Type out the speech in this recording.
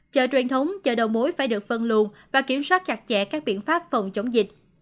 chợ truyền thống chợ đầu mối phải được phân luồn và kiểm soát chặt chẽ các biện pháp phòng chống dịch